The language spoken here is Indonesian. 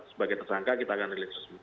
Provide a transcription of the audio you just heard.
sebagai tersangka kita akan rilis resmi